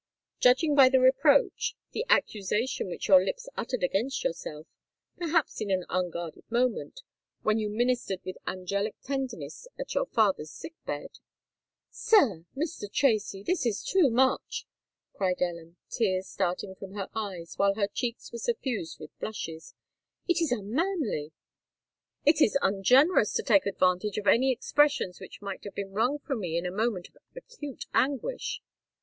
"Judging by the reproach—the accusation which your lips uttered against yourself—perhaps in an unguarded moment—when you ministered with angelic tenderness at your father's sick bed——" "Sir—Mr. Tracy, this is too much!" cried Ellen, tears starting from her eyes, while her cheeks were suffused with blushes: "it is unmanly—it is ungenerous to take advantage of any expressions which might have been wrung from me in a moment of acute anguish."